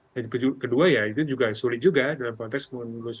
dan kedua ya itu juga sulit juga dalam konteks menelusuri motif dan juga konteks